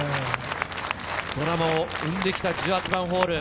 ドラマを生んできた１８番ホール。